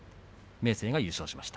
明生が優勝しました。